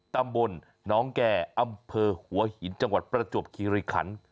ตำบลน้องแก่อำเภอหัวหินจังหวัดประจวบคิริขัน